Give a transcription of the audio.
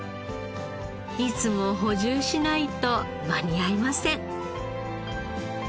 いつも補充しないと間に合いません。